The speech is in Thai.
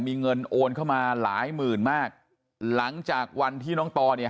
มีเงินโอนเข้ามาหลายหมื่นมากหลังจากวันที่น้องตอเนี่ย